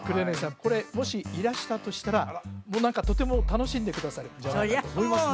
これもしいらしたとしたらとても楽しんでくださるんじゃないかと思いますね